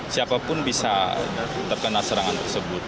siapapun bisa terkena serangan tersebut